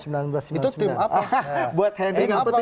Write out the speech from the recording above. itu tim apa buat henry apa